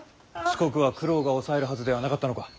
四国は九郎が押さえるはずではなかったのか。